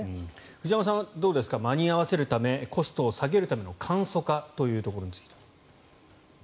藤山さんはどうですか間に合わせるためコストを下げるための簡素化というところについては。